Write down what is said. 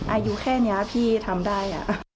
อายุแค่นี้พี่ทำได้